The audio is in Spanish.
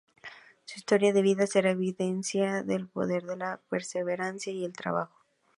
Su historia de vida será evidencia del poder de la perseverancia y el trabajo.